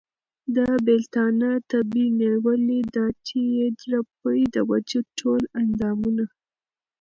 د بېلتانه تبې نيولی ، دا چې ئې رپي د وجود ټول اندامونه